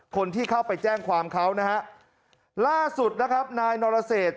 คนที่เข้าไปแจ้งความเขานะฮะล่าสุดนะครับนายนรเศษ